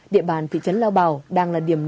địa bàn thị trấn la bảo đang là điểm năng